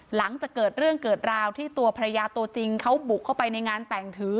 หลังจากเกิดเรื่องเกิดราวที่ตัวภรรยาตัวจริงเขาบุกเข้าไปในงานแต่งถือ